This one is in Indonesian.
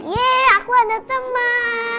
yeay aku ada teman